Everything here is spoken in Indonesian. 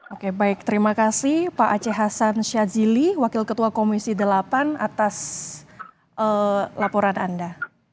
oke baik terima kasih pak aceh hasan syazili wakil ketua komisi delapan atas laporan anda